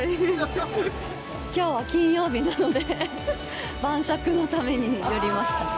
金曜日なのではいのために寄りました